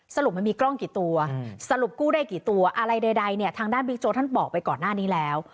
มันมีกล้องกี่ตัวสรุปกู้ได้กี่ตัวอะไรใดเนี่ยทางด้านบิ๊กโจ๊ท่านบอกไปก่อนหน้านี้แล้ว